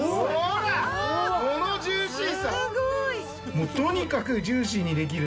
もうとにかくジューシーにできるんで。